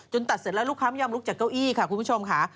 ตัดเสร็จแล้วลูกค้าไม่ยอมลุกจากเก้าอี้ค่ะคุณผู้ชมค่ะ